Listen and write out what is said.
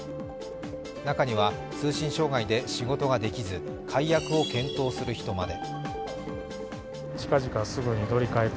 中には通信障害で仕事ができず解約を検討する人まで。